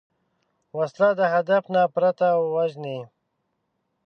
وسله د هدف نه پرته وژني